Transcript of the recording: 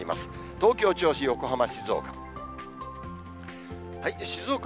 東京、銚子、横浜、静岡。